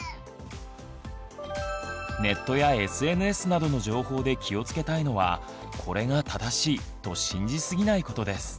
ネットやＳＮＳなどの情報で気をつけたいのは「これが正しい」と信じすぎないことです。